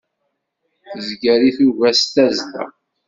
Tezger i tuga s tazzla.